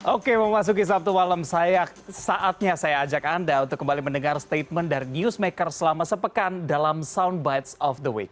oke memasuki sabtu malam saatnya saya ajak anda untuk kembali mendengar statement dari newsmaker selama sepekan dalam soundbites of the week